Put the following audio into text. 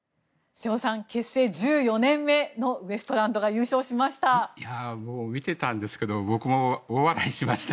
瀬尾さん結成１４年目のウエストランドが優勝しました。